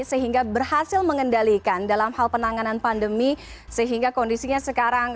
sehingga berhasil mengendalikan dalam hal penanganan pandemi sehingga kondisinya sekarang